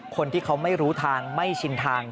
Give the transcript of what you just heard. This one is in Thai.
คนที่เขาไม่รู้ทางไม่ชินทาง